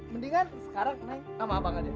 mendingan sekarang naik sama abang aja